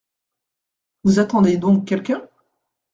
Vous attendez donc quelqu’un ?